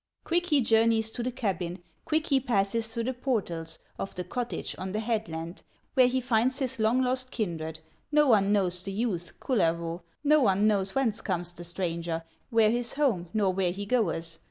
Quick he journeys to the cabin, Quick he passes through the portals Of the cottage on the headland, Where he finds his long lost kindred; No one knows the youth, Kullervo, No one knows whence comes the stranger, Where his home, nor where he goeth.